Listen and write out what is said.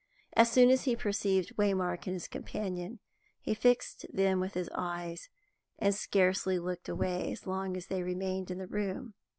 As soon as he perceived Waymark and his companion, he fixed them with his eyes, and scarcely looked away as long as they remained in the room.